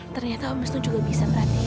ternyata pak wisnu juga bisa perhatian